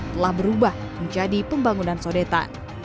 telah berubah menjadi pembangunan sodetan